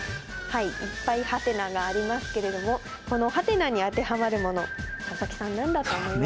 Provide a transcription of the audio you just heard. いっぱい「？」がありますけれどもこの「？」に当てはまるもの佐々木さん何だと思いますか？